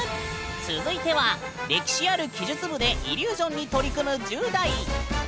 続いては歴史ある奇術部でイリュージョンに取り組む１０代！